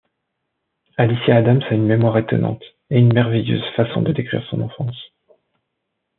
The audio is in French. Alicia Adams a une mémoire étonnante et une merveilleuse façon de décrire son enfance.